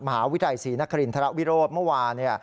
มหาวิทยาลัยศรีนครินทรวิโรธเมื่อวาน